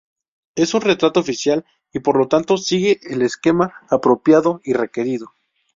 Es un retrato oficial y por lo tanto sigue el esquema apropiado y requerido.